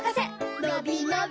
のびのび